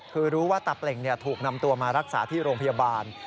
คือรู้ว่าตาเปล่งถูกนำตัวมารักษาที่โรงพยาบาล